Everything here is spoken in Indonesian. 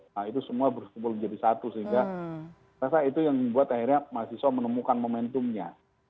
nah itu semua berkumpul menjadi satu sehingga rasa itu yang membuat akhirnya mahasiswa menemukan momentumnya